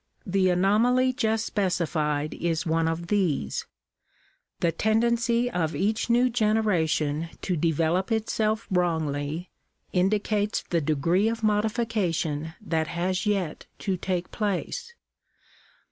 The anomaly just specified is one of these. The tendency of each new generation to develop itself wrongly, indicates the degree of modification that has yet to take place.